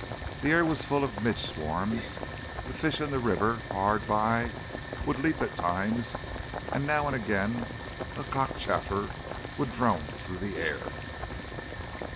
The air was full of midge swarms, the fish in the river hard by would leap at times, and now and again a cockchafer would drone through the air.